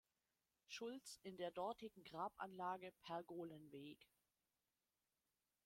Schulz in der dortigen Grabanlage "Pergolenweg".